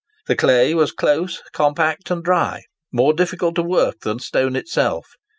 The clay was close, compact, and dry, more difficult to work than stone itself.